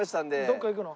どっか行くの？